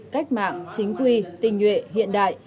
cách mạng chính quy tình nhuệ hiện đại